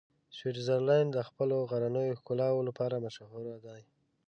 سویټزرلنډ د خپلو غرنیو ښکلاوو لپاره مشهوره دی.